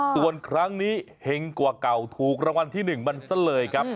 ส่วนครั้งนี้เห็งกว่าเก่าถูกรางวัลที่๑มันซะเลยครับ